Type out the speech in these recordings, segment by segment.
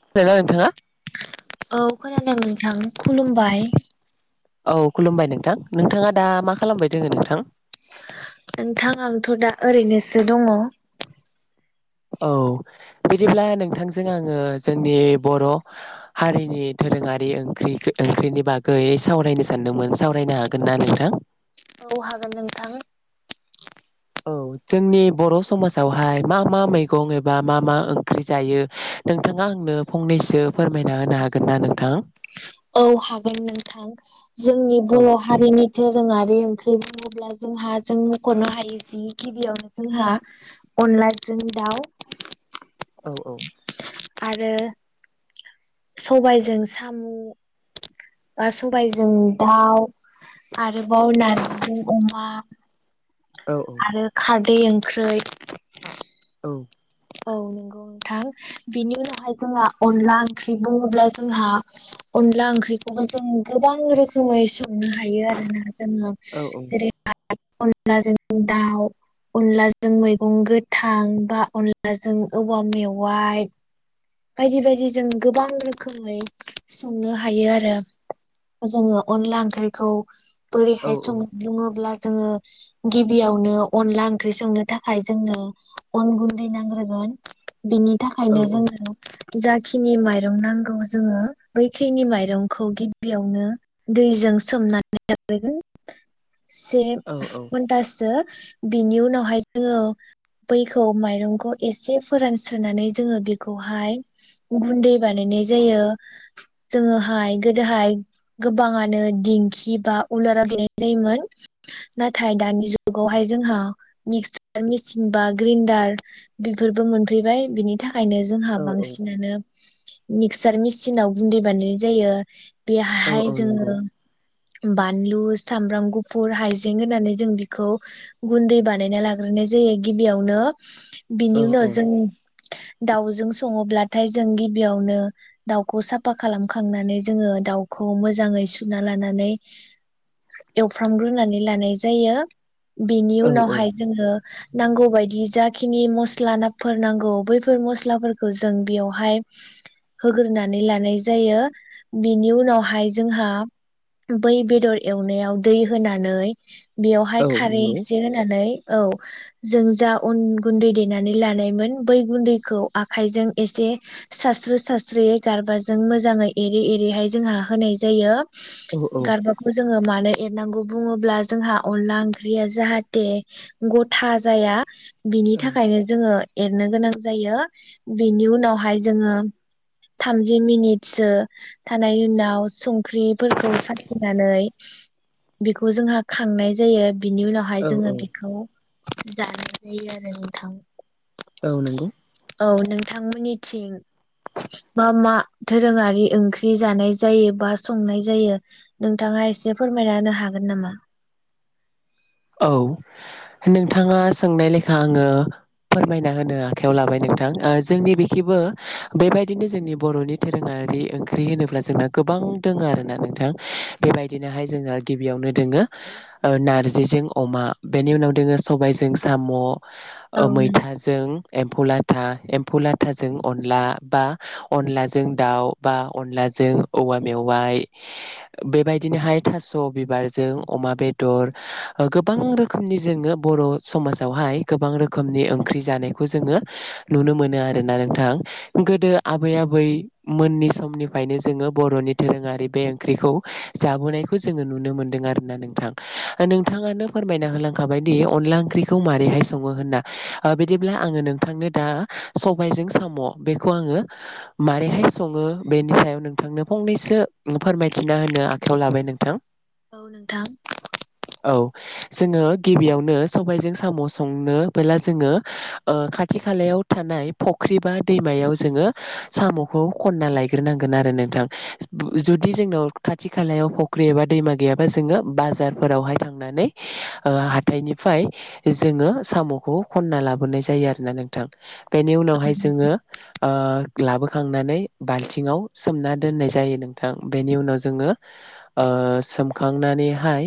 खोनादोंना नोंथाङा औ खोनादों नोंथां खुलुमबाय औ खुलुमबाय नोंथां नोंथाङा दा मा खालामबाय दोङो नोंथां नोंथां आंथ' दा ओरैनोसो दङ औ बिदिब्ला नोंथांजों आङो जोंनि बर' हारिनि दो रोङारि ओंख्रि ओंख्रिनि बागै सावरायनो सानदोंमोन सावरायनो हागोन ना नोंथां औ हागोन नोंथां औ जोंनि बर' समाजावहाय मा मा मैगं एबा मा मा ओंख्रि जायो नोंथाङा आंनो फंनैसो फोरमायना होनो हागोन ना नोंथां औ हागोन नोंथां जोंनि औ बर' हारिनि दोरोङारि ओं ओंख्रि बुङोब्ला जोंहा जों मख'नो हायो जि बियावनो जोंहा अनलाजों दाउ औ औ आरो सबायजों सामु बा सबायजों दाउ आरोबाव नारजिजों अमा [inaudible] आरो खारदै ओंख्रै औ औ नंगौ नोंथां बिनि उनावहाय जोंहा अनला ओंख्रि बुङोब्ला जोंहा अनला ओंख्रिखौबो जों गोबां रोखोमै स संनो हायो आरोना जोङो औ जेरै [unintelligible] अनलाजों दाउ अनलाजों मैगं गोथां बा अनला अनलाजों औवा मेवाइ बायदि बायदि जों गोबां रोखोमै संनो हायो आरो जोङो अनला ओंख्रिखौ औ बोरैहाय संङो बुङोब्ला जोङो गिबियावनो अनला ओंख्रि संनो थाखाय जोंनो अन गुन्दै नांग्रोगोन बिनि थाखायनो जोङो जाखिनि माइरं नांगौ जोङो बैखिनि माइरंखौ गिबियावनो दै जों सोमना [unintelligible] से घन्टासो बिनि उनावहाय जोङो बैखौ माइरंखौ एसे फोरानस्रोनानै जोङो बेखौहाय गुन्दै बानायनाय जायो जोङोहाय गोदोहाय गोबाङानो दिं खि बा उलाराव देनाय जायोमोन नाथाय दानि जुगावहाय जोंहा मिक्सार मिसिन बा ग्रिन्डार बेफोर बो मोनफैबाय बिनि थाखायनो जोंहा औ बांसिनानो मिक्सार मिसिनाव गुन्दै बानायनाय जायो औ बेहाय औ नंगौ जोङो बानलु, सामब्राम गुफुर, हाइजें होननानै जों बिखौ गुन्दै बानायना लाग्रो नाय जायो गिबियावनो औ बिनि उनाव औ जों दावजों सङोब्लाथाय जों गिबियावनो दाउखौ साफा खालामखांनानै जोङो दाउखौ मोजाङै सुना लानानै एवफ्रामग्रोनानै लानाय जायो। बेनि औ औ उनावहाय जोङो नांगौ बायदि जाखिनि मस्ला नाफोर नांगौ बैफोर मस्लाफोर खौ जों बेयावहाय होग्रोनानै लानाय जायो । बिनि उनावहाय जोंहा बै बेदर एवनायाव दै होनानै औ बेवहाय खारै नंगौ एसे होनानै औ जों जा अन गुन्दै देनानै लानायमोन बै गुन्दैखौ आखायजों एसे सास्रो सास्रोयै गारबाजों मोजाङै एरै एरैहाय जोंहा होनाय जायो। औ औ गारबाखौ जोङो मा नो एरनांगौ बुङोब्ला जोंहा अनला ओंख्रिया जाहाथे गथा जाया बिनि औ थाखायनो जोङो एरनो गोनां जायो । बेनि उनावहाय जोङो थामजि मिनिटसो थानाय उनाव संख्रिफोरखौ सखिनानै बेखौ जोंहा खांनाय जायो। बिनि उनावहाय औ जोङो बेखौ जानाय जायो आरो नोंथां। औ नंगौ। औ नोंथां मोननिथिं मा मा धोरोङारि ओंख्रि जानाय जायो बा संनाय जायो नोंथाङा एसे फोरमायनानो हागोन नामा? औ नोंथाङा सोंनाय लेखा आङो फोरमायना होनो आखायाव लाबाय नोंथां, ओ जोंनि बेखिबो बेबायदिनो जोंनि बर'नि धोरोङा रि ओंख्रि होनोब्ला जोंना गोबां दोङो आरोना नोंथां, बेबायदिनोहाय जोङो गिबियावनो दोङो ओ नारजिजों अमा बेनि उनाव दोङो सबायजों साम', औ ओ नोंथां मैथाजों एम्फौ लाथा, एम्फौ लाथाजों अनला बा अनलाजों दाउ बा अनला जों औवा मेवाइ बेबायदिनोहाय थास' बिबारजों अमा बेदर ओ गोबां रोखोमनि जोङो बर' समाजावहाय गोबां रोखोमनि ओंख्रि जानायखौ जोङो नुनो मोनो आरोना नोंथां। गोदो आबै आबै मोननि समनिफ्रायनो जोङो बर' फोरनि धोरोङारि बे ओंख्रिखौ जाबोनायखौ जोङो नुनो मोनदों आरो ना नोंथां। ओ नों थाङानो फोरमायना होलांखाबायदि अनला ओंख्रिखौ माबारैहाय सङो होन्ना, बिदिब्ला आङो नोंथांनो दा सबायजों साम' बेखौ आङो माबारैहाय सङो बेनि सायाव नोंथांनो फंनैसो फोरमायथिना होनो आखायाव लाबाय नोंथां। औ नोंथां। औ जोङो गिबियावनो सबायजों साम' संनोबोला जोङो ओ खाथि खालायाव थानाय फुख्रि बा दैमायाव जोङो साम'खौ खन्ना लायग्रोनांगोन आरो नोंथां‌। जुदि जोंनाव खाथि खालायाव फख्रि एबा दैमा गैाबा जोङो बारावहाय थांनानै हाथाइनिफ्राय जोङो साम'खौ खनना लाबोनाय जायो आरो ननानै थ बेनि उनावहाय जोङो लाबोखांनानै बाल्थिङाव सोमना दोननाय जायो नोंथां बेनि उनाव जोङो ओ सोमखांनानैहाय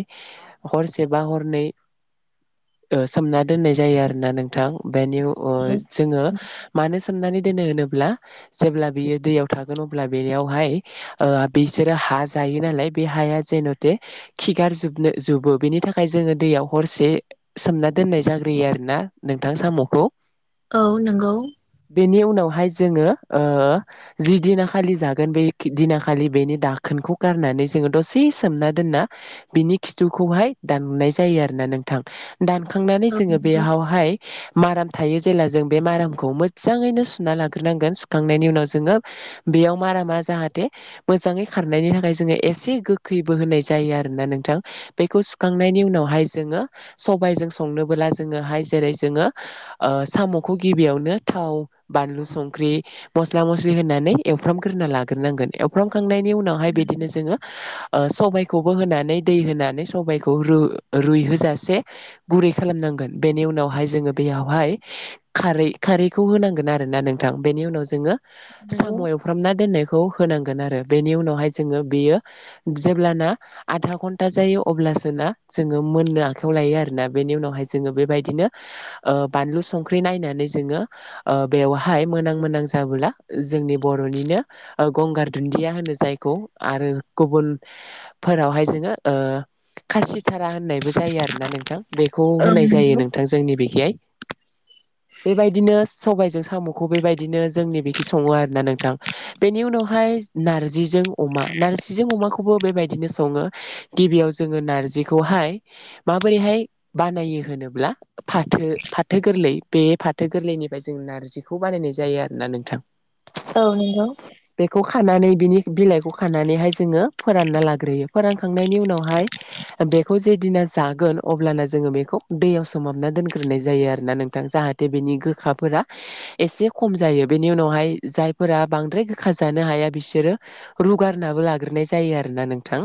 हरसेबा हरनै सोमना दोननाय जायो आरो ना नोंथां। बेनि ओ जोङो मानो सोमनानै मानो सोमनानै दानोलुनोब्ला जेब्ला बियो दैयाव थागोन अब्ला बेयावहाय ओ बिसोरो हा जायो नालाय बे हाया जेनेथे खिगार जोबनो जुबो बेनि थाखाय जोङो दैयाव हरसे सोमना दोननाय जाग्रोयो आरो ना नोंथां साम'खौ औ नंगौ बेनि उनावहाय जोङो जि दिना खालि जागोन बे दिनाखालि बेनि दाखोन खौ गारनानै जोंङो दसे सोमना दोनना बिनि खिथुखौहाय दाननाय जायो आरोना नोंथां दानखांनानै औ जोङो नंगौ बेयावहाय माराम थायो जेब्ला जों बे मारामखौ मोजाङैनो सुना लाग्रोनांगोन सुखांनायनि उनाव जोङो बेयाव मारा मा जाहाथे मोजाङै खारनायनि थाखाय जोङो एसे गोखैबो होनाय जायो आरोना नोंथां। बेखौ सुखांनायनि उनावहाय जोङो सबायजों संनोबोला जोङोहाय जेरै जोङो ओ साम'खौ गिबियावनो थाव बानलु संख्रि मस्ला मस्लि होननानै एमफ्राम गोरनायन उनाव बिनो जोङो सबाय खौबो होनानै। दै होनानै सबबायखौ रुइहजासे गुरै खालामनांगोन बेनि उनावहाय जोङो बे। बेयावहाय खारै खारैखौ होनांगोन आरोना नोंथां बेनि उनाव जोङो साम' नंगौ एवफ्रामना दोननाय। खौ होनांगोन आरो बेनि उनावहाय जोंङो बियो जेब्लाना आदा गन्थ दाज जायो अब्लासोना जोङो मोननो आखायाव लायो आरोना बेनि उनावहाय जोङो बेबायदिनो ओ बानलु संख्रि नायनानै ओ जोङो बेयावहाय मोनां मोनां जाबोला जोंनि बर'नि बिदिनो गंगार दुन्दिया होनो जायखौ आरो गुबुन फोरावहाय जोङो ओ खासिथारा होननायबो जायो आरोना नोंथां बेखौ औ होनाय जायो नंगौ नोंथां जोंनि बेखिहाय [inaudible] बेबायदिनो सबायजों साम'खौ बेबायदिनो जोंनि बेखि सङो आरोना नोंथां बेनि उनाव। हाय नारजिजों अमा नारजिजों अमाखौबो बेबायदिनो सङो। गिबियाव जोङो नारजिखौहाय माबोरैहाय बानायो होनोब्ला फाथो फाथो गोरलै बे फाथो गोरलैनिफ्राय जों नार्जिखौ बानायनाय जायो आरोना नोंथां। औ नंगौ। खौ खानानै बिनि बिलाइखौ खानानैहाय जोङो फोरानना लाग्रोयो फोरानखां उनावहाय बेखौ जेदिना जागोन अब्लाना जोङो बेखौ दैयाव सोमाबना दोनग्रोन। जायो आरोना नोंथां जाहाथे बेनि गोखाफोरा एसे खम जायो बेनि उनावहाय जायफोरा बांद्राय गोखा जानो हाया बिसोरो रुगारनाबो लाग्रोनाय जायो आरोना नोंथां।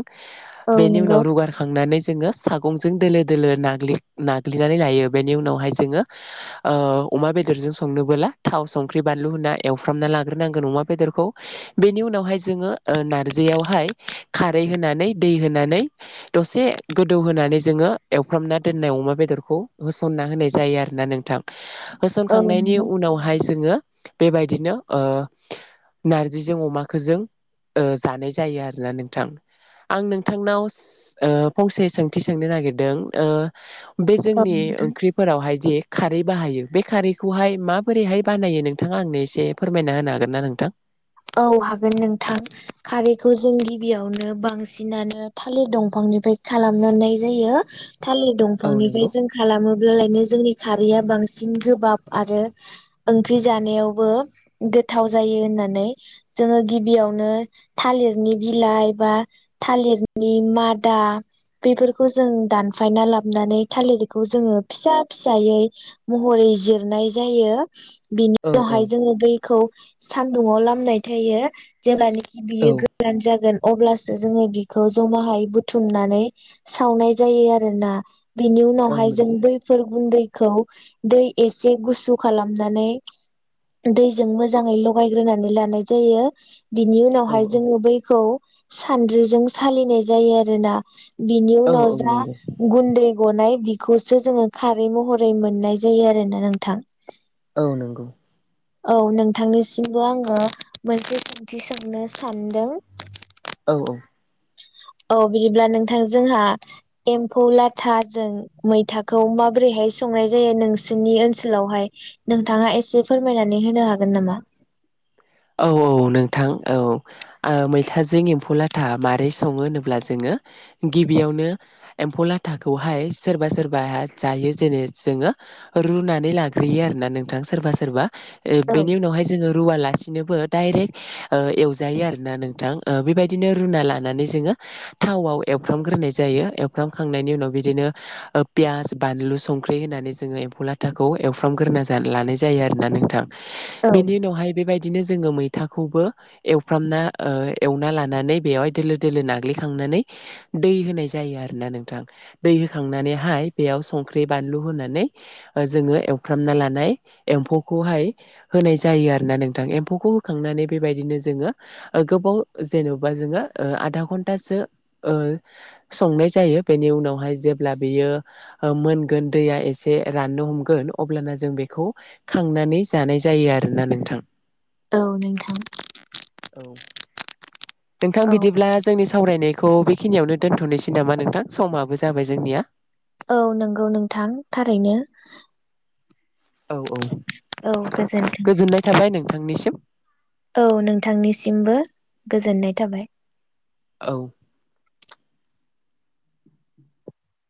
औ बेनि नंगौ उनाव रुगार खांनानै। जोङो सागंजों दोलो दोलो नाग्लि नाग्लिनानै लायो बेनि उनावहाय जोङो ओ अमा बेदरजों संनोबोला थाव संख्रि बानलु होनना एवफ्रामना लाग्रोनांगोन अमा बेदरखौ बेनि उनाव उनाव जो ओ नारजह खारै होनानै दै होनानै दसे गोदौ होनानै जोङो एवफ्रामना दोननाय अमा बेदरखौ होसननानै होनाय जायो आरोना नोंथां औ होसनखांनायनि नंगौ उनावहाय जोङो बेबायदिनो ओ नारजिजों अमाखौ जों ओ जानाय जायो आरोना नोंथां। आं नोंथांनाव ओ फंसे सोंथि सोंनो नागिरदों ओ बे जोंनि औ ओंख्रिफोरावहाय दि खारै बाहायो बे खारैखौहाय माबोरैहाय बानायो नोंथाङा आंनो एसे फोरमायना होनो हागोन ना नोंथां। औ हागोन नोंथां खारैखौ जों गिबियावनो बांसिनानो थालिर दंफां खालामनाय जायो थालिर औ दंफांनिफ्राय नंगौ जों खालामोबनो जोंनि खारैया बांसिन गोबाब आरो ओंख्रि जानायावबो गोथाव जायो होननानै जोङो गिबियावनो थालिरनि बिलाइ बा थालिरनि मादा आ। बेफोरखौ जों दानफायना लाबानै थालिरखौ जोङो फिसा फिसायै महरै जिरनाय जायो‌। बिनि औ औ उनावहाय जोङो बैखौ सान्दुंङाव लामनाय थायो जेब्लानि औ बियो गोरान जागोन अब्लासो जोङो बिखौ। जमाहायै बुथुमनानै सावनाय जायो आरोना। बिनि उनावहाय जों नंगौ बैफोर गुन्दै। खौ दै एसे गुसु खालामनानै दैजों मोजाङै लगायग्रोनानै लानाय जायो बिनि औ उनावहाय जोङो बैखौ सानद्रिजों सालिनाय जायो आरोना बिनि औ उनाव औ जा नंगौ गुन्दै गनाय बि खौसो जोङो खारै महरै मोननाय जायो आरोना नोंथां औ नंगौ औ नोंथांनिसिमबो आङो मोनसे सोंथि सोंनो सानदों औ औ औ बिदिब्ला नोंथां जोंहा एम्फौ लाथाजों मैथाखौ माबोरैहाय संनाय जायो नोंसिनि ओनसोलावहाय नोंथाङा एसे फोरमायनानै होनो हागोन नामा? [inaudible] औ औ नोंथां औ आ मैथाजों एम्फौ लाथा माबारै सङो होनोब्ला जोङो गिबियावनो एम्फौ लाथाखौहाय सोरबा सोरबा जायो जेरै जोङो रुनानै लाग्रोयो आरो ना नोंथां सोरबा सोरबा औ बेनि उनावहाय जोङो रुवा लासिनो नोबो डाइरेक्ट ओ एवजायो आरोना नोंथां ओ बेबायदिनो रुना लानानै जोङो थावाव एवफ्र्रामग्रोनाय जायो एवफ्र्रामखांनायनि उनाव बिदिनो ओ पियास बानलु संख्रि होनानै जोङो एम्फौ लाथाखौ एवफ्रामग्रोना जानो लानाय जायो आरोना नोंथां औ बिनि उनावहाय बेबायदि बिदिनो जोङो मैथाखौबो एवफ्रामना ओ एवना लानानै बेवहाय दोलो दोलो नाग्लिखांना नै दै होनाय जायो आरोना नोंथां दै होखांनानैहाय बेयाव संख्रि बानलु होना जोङो एवफ्रामना लानाय एम्फौखौहाय होनाय जायो आरोना नों थां एम्फौखौ होखांनानै बेबायदिनो जोङो ओ गोबाव जेन'बा जोङो ओ आधा घो ओ संनाय जायो बेनि उनावहाय जेब्ला बियो ओ मोनगोन दैया एसे राननो हमगोन अब्लाना जों बेखौ खांनानै जानाय जायो आरोना नोंथां औ नोंथां औ नोंथां औ बिदिब्ला जोंनि सावरायनायखौ खौ बेखिनियावनो दोन्थ'नोसै नामा नोंथां समाबो जाबाय जोंनिया औ नंगौ नोंथां थारैनो औ औ औ गोजोन्थों गोजोननाय थाबाय नोंथांनिसिम औ नोंथांनिसिमबो गोजोननाय थाबाय। औ